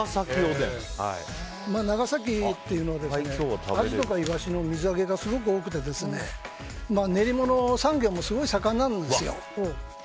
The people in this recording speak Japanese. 長崎っていうのはアジとかイワシの水揚げがすごく多くて練り物産業もすごい盛んなんですよ。